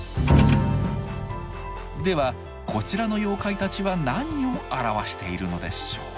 ではこちらの妖怪たちは何を表しているのでしょう。